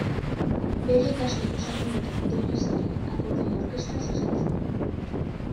Bere ikasleek osatzen duten Doinu Zale akordeoi orkestra zuzentzen du.